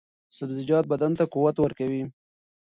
سبزیجات بدن ته قوت ورکوي.